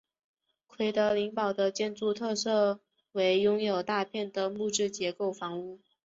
奎德林堡的建筑特色为拥有大片的木质结构房屋。